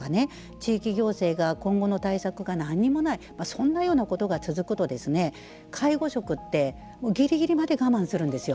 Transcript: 地域行政が今後の対策が何もないそんなようなことが続くと介護職ってぎりぎりまで我慢するんですよ。